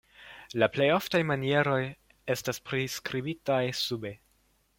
La plej oftaj manieroj estas priskribitaj sube.